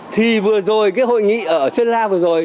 thì vừa rồi cái hội nghị ở sơn la vừa rồi